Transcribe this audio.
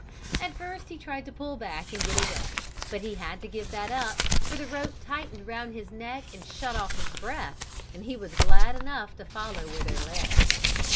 At first he tried to pull back and get away, but he had to give that up, for the rope tightened round his neck and shut off his breath and he was glad enough to follow where they led.